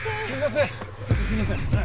すみません。